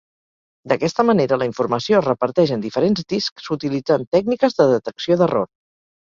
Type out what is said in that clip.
D'aquesta manera la informació es reparteix en diferents discs utilitzant tècniques de detecció d'error.